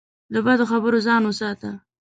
له بدو خبرو ځان وساته.